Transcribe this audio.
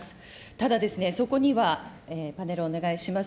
ただですね、そこには、パネル、お願いします。